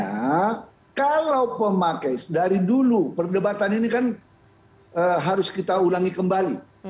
karena kalau pemakai dari dulu perdebatan ini kan harus kita ulangi kembali